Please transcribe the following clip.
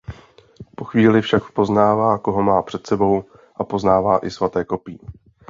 Po chvíli však poznává koho má před sebou a poznává i svaté kopí.